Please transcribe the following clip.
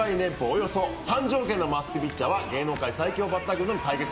およそ３０億円のマスクピッチャーは芸能界最強バッター軍との対決。